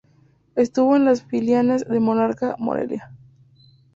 Estuvo en las filiales de Monarcas Morelia.